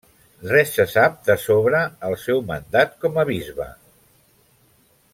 Res se sap de sobre el seu mandat com a bisbe.